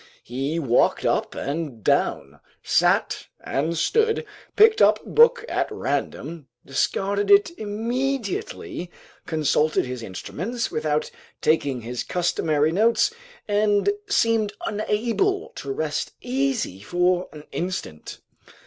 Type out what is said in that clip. He walked up and down, sat and stood, picked up a book at random, discarded it immediately, consulted his instruments without taking his customary notes, and seemed unable to rest easy for an instant.